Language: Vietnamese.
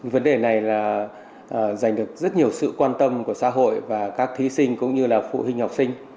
vấn đề này là giành được rất nhiều sự quan tâm của xã hội và các thí sinh cũng như là phụ huynh học sinh